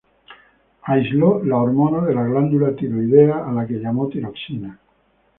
Aisló la hormona de la glándula tiroides, a la que llamó tiroxina.